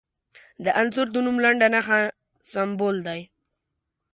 د عنصر د نوم لنډه نښه سمبول دی.